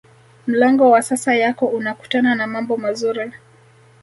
mlango wa sasa yako unakutana na mambo mazuri